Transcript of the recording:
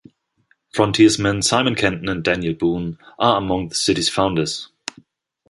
Frontiersmen Simon Kenton and Daniel Boone are among the city's founders.